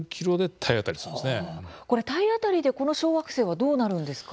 体当たりでこの小惑星はどうなるんですか？